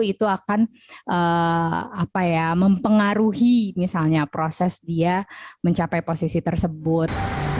itu akan mempengaruhi misalnya proses dia mencapai posisi tersebut